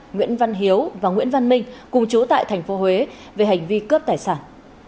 nguyễn văn hiếu và nguyễn văn minh cùng chú tại tp huế về hành vi cướp tài sản